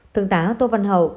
thượng tá tô văn hậu